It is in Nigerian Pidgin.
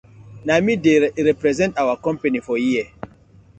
Na mi dey represent our company for here.